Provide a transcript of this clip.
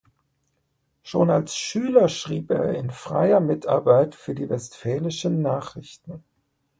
Schon als Schüler schrieb er in freier Mitarbeit für die Westfälischen Nachrichten.